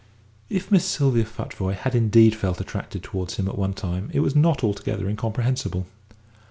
If Miss Sylvia Futvoye had indeed felt attracted towards him at one time it was not altogether incomprehensible.